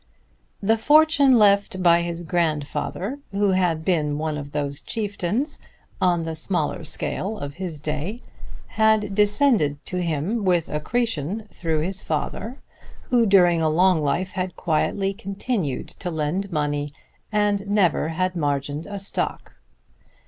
The fortune left by his grandfather, who had been one of those chieftains, on the smaller scale of his day, had descended to him with accretion through his father, who during a long life had quietly continued to lend money and never had margined a stock.